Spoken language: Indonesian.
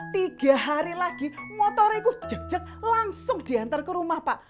tiga hari lagi motoriku jek jek langsung diantar ke rumah pak